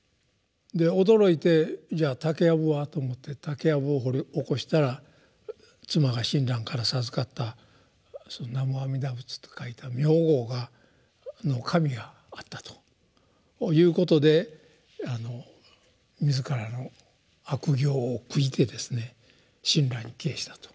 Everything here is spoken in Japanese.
で驚いてじゃあ竹やぶはと思って竹やぶを掘り起こしたら妻が親鸞から授かった「南無阿弥陀仏」と書いた名号の紙があったということで自らの悪行を悔いてですね親鸞に帰依したと。